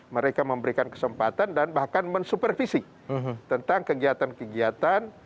mereka memberikan kesempatan dan bahkan mensupervisi tentang kegiatan kegiatan